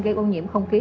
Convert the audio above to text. gây ô nhiễm không khí